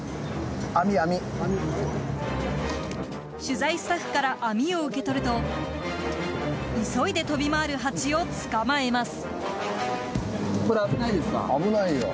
取材スタッフから網を受け取ると急いで飛び回るハチをつかまえます。